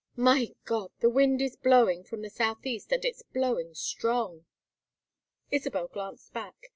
"My God! The wind is blowing from the southeast and it's blowing strong!" Isabel glanced back.